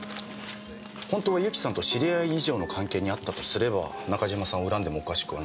本当は由紀さんと知り合い以上の関係にあったとすれば中島さんを恨んでもおかしくはない。